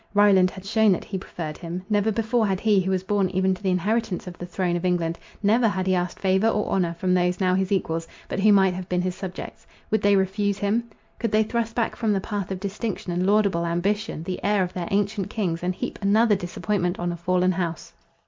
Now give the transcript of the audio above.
Ryland had shewn that he preferred him. Never before had he, who was born even to the inheritance of the throne of England, never had he asked favour or honour from those now his equals, but who might have been his subjects. Would they refuse him? Could they thrust back from the path of distinction and laudable ambition, the heir of their ancient kings, and heap another disappointment on a fallen house.